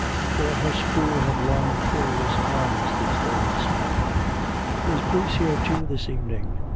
For her school had long curious arms these days. "Was Bruce here too this evening?"